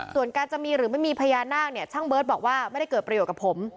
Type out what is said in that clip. ส่วนการจะมีหรือไม่มีพญานาคเนี่ยช่างเบิร์ตบอกว่าไม่ได้เกิดประโยชน์กับผม